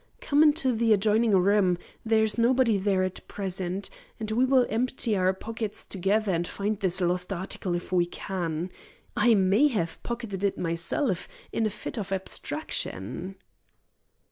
Come into the adjoining room there is nobody there at present and we will empty our pockets together and find this lost article if we can. I may have pocketed it myself, in a fit of abstraction."